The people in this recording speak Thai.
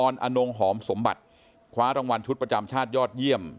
อนงหอมสมบัติคว้ารางวัลชุดประจำชาติยอดเยี่ยม